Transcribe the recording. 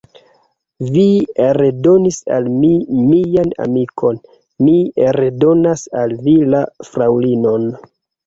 Vi redonis al mi mian amikon, mi redonas al vi la fraŭlinon.